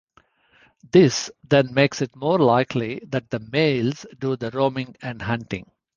This then makes it more likely that the males do the roaming and hunting.